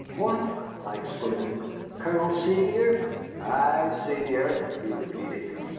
"What," I exclaimed, "Colonel Sevier?" "Ay, Sevier," he repeated.